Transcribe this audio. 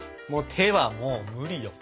手はもう無理よ。